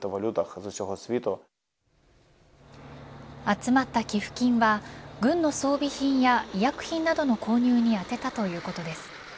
集まった寄付金は軍の装備品や医薬品などの購入に充てたということです。